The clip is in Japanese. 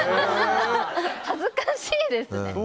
恥ずかしいですね。